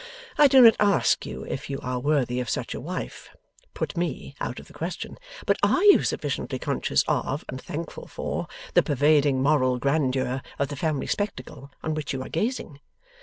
I do not ask you if you are worthy of such a wife put Me out of the question but are you sufficiently conscious of, and thankful for, the pervading moral grandeur of the family spectacle on which you are gazing?